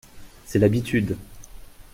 C’est l’habitude.